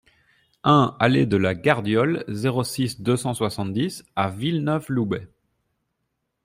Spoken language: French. un allée de la Gardiole, zéro six, deux cent soixante-dix à Villeneuve-Loubet